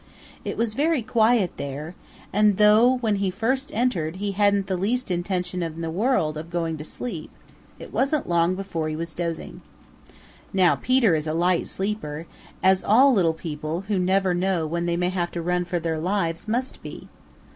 It was very quiet there, and though when he first entered he hadn't the least intention in the world of going to sleep, it wasn't long before he was dozing. Now Peter is a light sleeper, as all little people who never know when they may have to run for their lives must be.